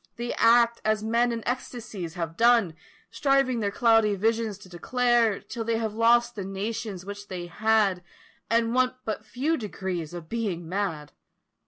They act as men in ecstacies have done Striving their cloudy visions to declare, Till they have lost the notions which they had, And want but few degrees of being mad.